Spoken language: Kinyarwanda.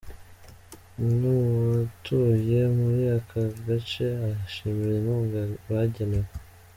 Umwe mu batuye muri aka gace ashimira inkunga bagenewe.